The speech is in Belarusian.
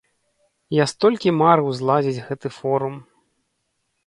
Я столькі марыў зладзіць гэты форум!